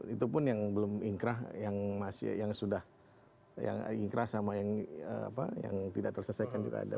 itu pun yang belum ingkrah yang sudah yang ingkrah sama yang tidak terselesaikan juga ada